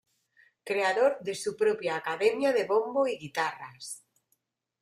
Creador de su propia academia de bombo y guitarras.